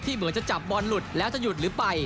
เหมือนจะจับบอลหลุดแล้วจะหยุดหรือไป